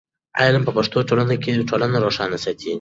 علم په پښتو ټولنه روښانه ساتي.